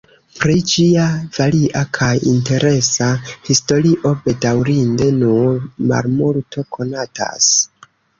Pri ĝia varia kaj interesa historio bedaŭrinde nur malmulto konatas.